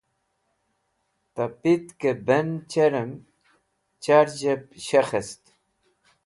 Ta pitkẽ ben cherm charz̃hẽb shekhẽst.